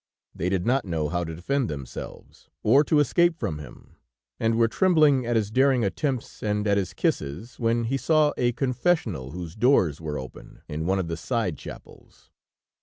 They did not know how to defend themselves, or to escape from him, and were trembling at his daring attempts, and at his kisses, when he saw a confessional whose doors were open, in one of the side chapels.